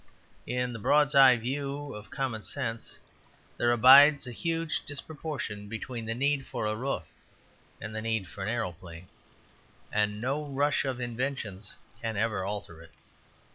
In the broad bird's eye view of common sense there abides a huge disproportion between the need for a roof and the need for an aeroplane; and no rush of inventions can ever alter it.